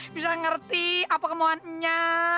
bisa ngerti apa kemauannya